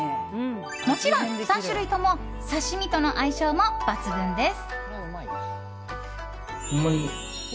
もちろん、３種類とも刺し身との相性も抜群です。